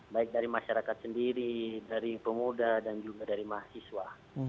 baik dari masyarakat sendiri dari pemuda dan juga dari mahasiswa